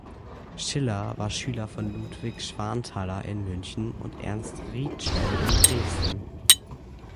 Schiller war Schüler von Ludwig Schwanthaler in München und Ernst Rietschel in Dresden.